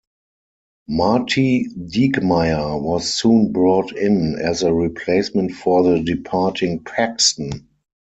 Marty Dieckmeyer was soon brought in as a replacement for the departing Paxton.